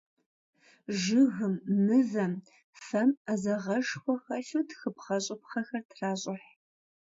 Жыгым, мывэм, фэм Ӏэзагъэшхуэ хэлъу тхыпхъэщӀыпхъэхэр тращӀыхь.